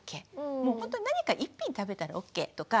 もうほんとに何か１品食べたらＯＫとか。